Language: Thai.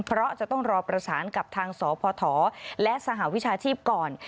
เพราะจะต้องรอประสานกับทางสพและสหวิชาชีพก่อน